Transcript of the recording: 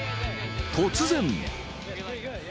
突然。